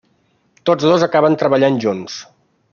Tots dos acaben treballant junts.